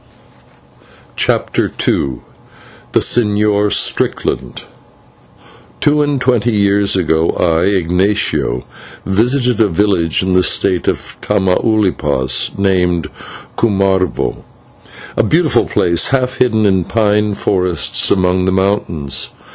CHAPTER II THE SEÑOR STRICKLAND Two and twenty years ago, I, Ignatio, visited a village in the State of Tamaulipas, named Cumarvo, a beautiful place, half hidden in pine forests amongst the mountains.